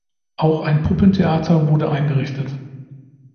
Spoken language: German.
Auch ein Puppentheater wurde eingerichtet.